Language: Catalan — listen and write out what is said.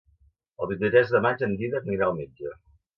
El vint-i-tres de maig en Dídac anirà al metge.